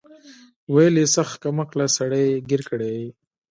ويې ويل سخت کم عقله سړى يې ګير کړى يې.